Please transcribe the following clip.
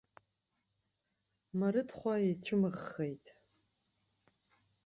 Марыҭхәа ицәымыӷхеит.